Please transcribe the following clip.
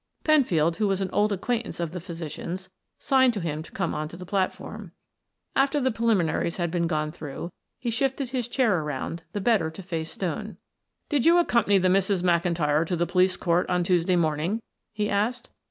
Penfield, who was an old acquaintance of the physician's, signed to him to come on the platform. After the preliminaries had been gone through, he shifted his chair around, the better to face Stone. "Did you accompany the Misses McIntyre to the police court on Tuesday morning?" he asked.